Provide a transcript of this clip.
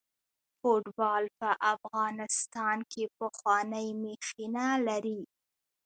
فوټبال په افغانستان کې پخوانۍ مخینه لري.